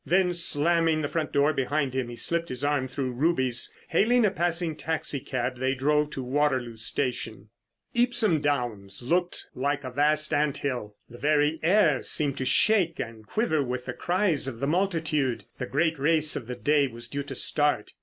Then, slamming the front door behind him, he slipped his arm through Ruby's. Hailing a passing taxi cab they drove to Waterloo Station. Epsom Downs looked like a vast ant hill. The very air seemed to shake and quiver with the cries of the multitude. The great race of the day was due to start.